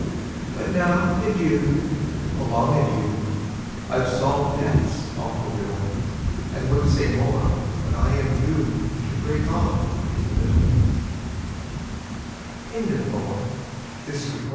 "But now, adieu — a long adieu I IVe solved death's awful riddle, A)nd would say more, but I am doomed To break off in the middle I " Thomas Hood.